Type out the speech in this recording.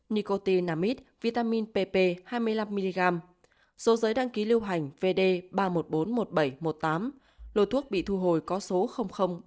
nicotinamide vitamin pp hai mươi năm mg số giới đăng ký lưu hành vd ba triệu một trăm bốn mươi một nghìn bảy trăm một mươi tám lô thuốc bị thu hồi có số ba trăm hai mươi hai